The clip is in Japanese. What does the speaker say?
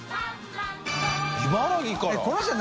茨城から？